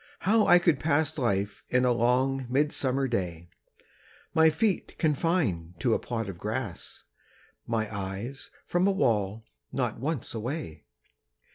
How I could pass Life in a long midsummer day, My feet confined to a plot of grass, My eyes from a wall not once away!